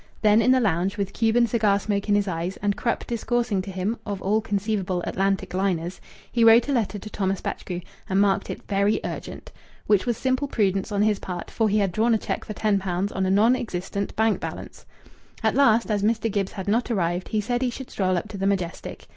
Then in the lounge, with Cuban cigar smoke in his eyes, and Krupp discoursing to him of all conceivable Atlantic liners, he wrote a letter to Thomas Batchgrew and marked it "Very urgent" which was simple prudence on his part, for he had drawn a cheque for ten pounds on a non existent bank balance. At last, as Mr. Gibbs had not arrived, he said he should stroll up to the Majestic.